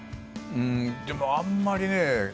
でも、あんまりね。